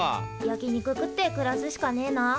焼き肉食って暮らすしかねえな。